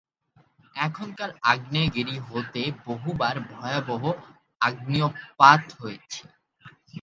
এখানকার আগ্নেয়গিরি হতে বহুবার ভয়াবহ অগ্ন্যুৎপাত হয়েছে।